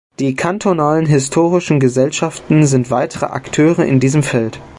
Die kantonalen Historischen Gesellschaften sind weitere Akteure in diesem Feld.